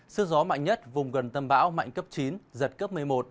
sức gió mạnh nhất vùng gần tâm bão mạnh cấp chín giật cấp một mươi một